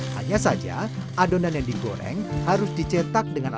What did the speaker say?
hanya saja adonan yang digoreng harus dicetak dengan